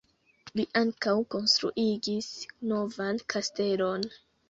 Li ankaŭ konstruigis novan kastelon.